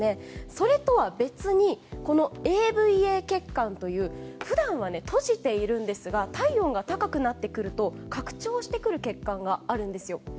それとは別に、ＡＶＡ血管という普段は閉じているんですが体温が高くなってくると拡張してくる血管があるんです。